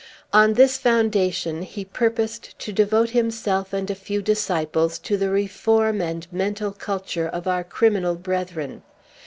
On this foundation he purposed to devote himself and a few disciples to the reform and mental culture of our criminal brethren.